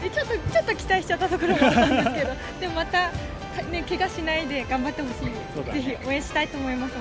ちょっと期待しちゃったところもあったんですけどでも、またけがしないで頑張ってほしいので是非応援したいと思います。